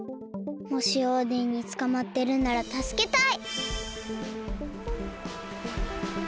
もしオーデンにつかまってるならたすけたい。